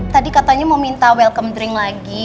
tadi katanya mau minta welcome drink lagi